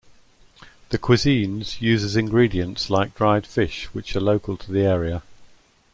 The cuisines uses ingredients like dried fish which are local to the area.